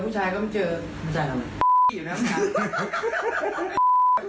ผู้หญิงูไม่ทำผู้หญิง